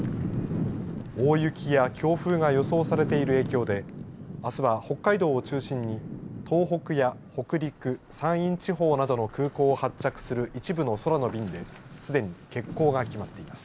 大雪や強風が予想されている影響であすは北海道を中心に東北や北陸山陰地方などの空港を発着する一部の空の便ですでに欠航が決まっています。